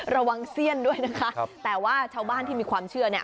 ระวังเสี้ยนด้วยนะคะแต่ว่าชาวบ้านที่มีความเชื่อเนี่ย